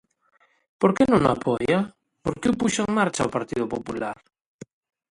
¿Por que non o apoia?, ¿porque o puxo en marcha o Partido Popular?